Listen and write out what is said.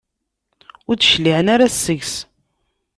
Ur d-cliɛen ara seg-s.